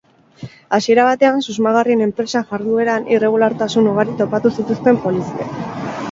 Hasiera batean, susmagarrien enpresa jardueran irregulartasun ugari topatu zituzten poliziek.